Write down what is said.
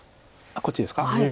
こっちですか。